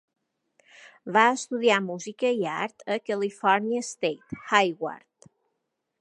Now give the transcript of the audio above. Va estudiar música i art a California State, Hayward.